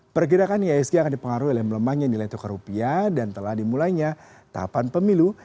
pergerakan ihsg akan dipengaruhi oleh melemahnya nilai tukar rupiah dan telah dimulainya tahapan pemilu